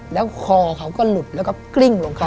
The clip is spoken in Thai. แล้วคอเขาก็หลุดแล้วก็กลิ้งลงเขา